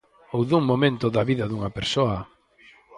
Ou dun momento da vida dunha persoa.